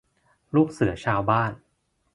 ลูกเสือชาวบ้าน